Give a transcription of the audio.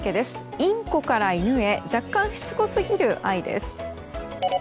インコから犬へ若干しつこすぎる愛です。